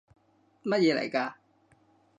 乜嘢嚟㗎？